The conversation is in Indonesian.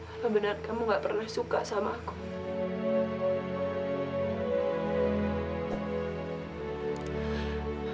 apa benar kamu gak pernah suka sama aku